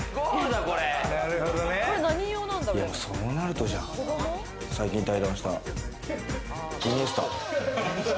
でもそうなると、最近対談したイニエスタ。